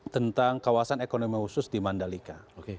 tentang kawasan ekonomi khusus di mandalika